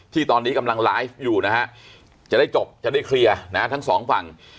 ที่ตอนนี้กำลังไลฟ์อยู่นะฮะจะได้จบจะได้เคลียร์นะทั้งสองฝั่ง